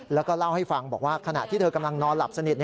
แล้วก็เล่าให้ฟังบอกว่าขณะที่เธอกำลังนอนหลับสนิท